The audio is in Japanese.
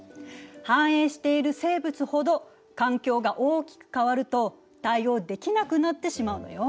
繁栄している生物ほど環境が大きく変わると対応できなくなってしまうのよ。